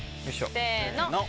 せの！